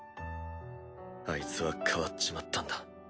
アイツは変わっちまったんだ。